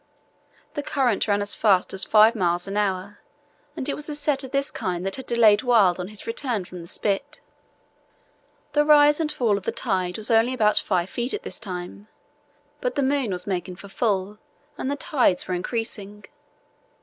The current ran as fast as five miles an hour, and it was a set of this kind that had delayed Wild on his return from the spit. The rise and fall of the tide was only about five feet at this time, but the moon was making for full and the tides were increasing.